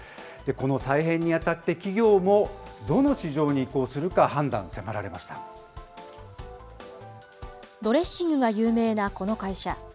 この再編にあたって、企業も、どの市場に移行するか判断迫られまドレッシングが有名なこの会社。